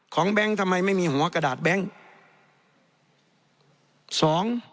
แบงค์ทำไมไม่มีหัวกระดาษแบงค์สอง